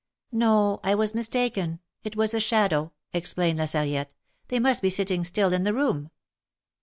No, I was mistaken. It was a shadow," explained La Sarriette. They must be sitting still in the room."